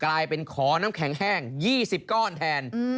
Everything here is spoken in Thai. กลายเป็นขอน้ำแข็งแห้ง๒๐ก้อนแทน